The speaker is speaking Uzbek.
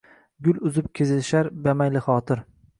Gul uzib kezishar bamaylixotir.